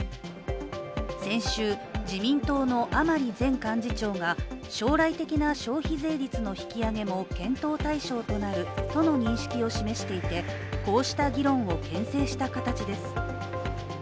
先週、自民党の甘利前幹事長が将来的な消費税率の引き上げも検討対象となるとの認識を示していて、こうした議論をけん制した形です。